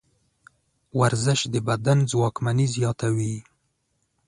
ورزش د بدن ځواکمني زیاتوي.